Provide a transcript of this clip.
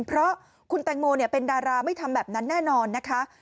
เพราะคุณแตงโมเป็นดาราไม่ทำแบบนั้นแน่นอนนะคะ